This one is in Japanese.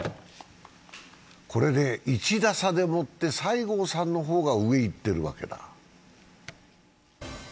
これで１打差でもって西郷さんの方が上をいっているわけだ。